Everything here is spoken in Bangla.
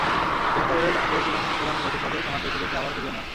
শ্রীলঙ্কা বোর্ডের আগ্রহ ছিল প্রধান নির্বাচক পদে সনাৎ জয়াসুরিয়াকে আবার ফিরিয়ে আনার।